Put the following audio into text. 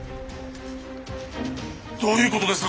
どういうことですか！？